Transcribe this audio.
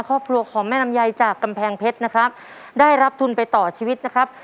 ครอบครัวของแม่ลำไยจากกำแพงเพชรนะครับได้รับทุนไปต่อชีวิตนะครับ